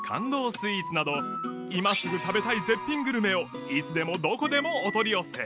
スイーツなど今すぐ食べたい絶品グルメをいつでもどこでもお取り寄せ